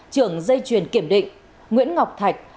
trưởng dây truyền kiểm định nguyễn ngọc thạch